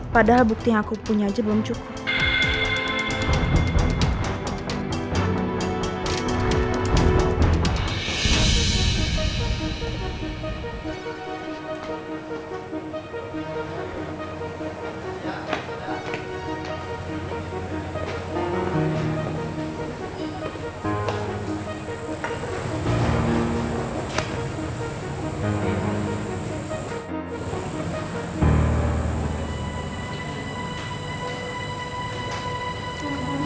padahal bukti yang aku punya aja belum cukup